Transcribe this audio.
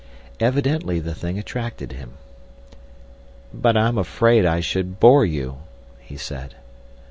Evidently the thing attracted him. "But I'm afraid I should bore you," he said.